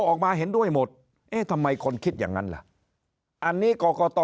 ออกมาเห็นด้วยหมดเอ๊ะทำไมคนคิดอย่างนั้นล่ะอันนี้กรกต